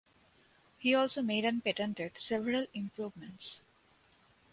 He also made and patented several improvements.